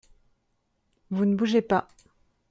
Vous ne bougez pas.